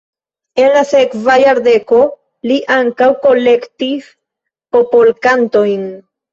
En la sekva jardeko li ankaŭ kolektis popolkantojn.